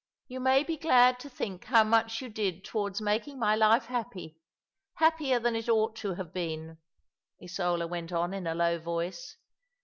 " You may be glad to think how much you did towards making my life happy — happier than it ought to have been." Isola went on in a low voice.